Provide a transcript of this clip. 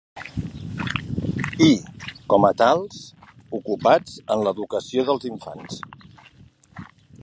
I, com a tals, ocupats en l’educació dels infants.